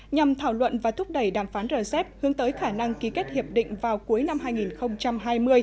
nhằm thảo luận và thúc đẩy đàm phán rcep hướng tới khả năng ký kết hiệp định vào cuối năm hai nghìn hai mươi